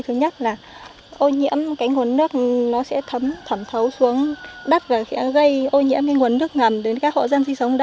thứ nhất là ô nhiễm cái nguồn nước nó sẽ thấm thấu xuống đất và sẽ gây ô nhiễm cái nguồn nước ngầm đến các khu vực